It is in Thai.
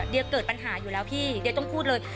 เดี๋ยวเกิดปัญหาอยู่แล้วพี่เดียต้องพูดเลย